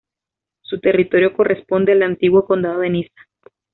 Su territorio corresponde al antiguo condado de Niza.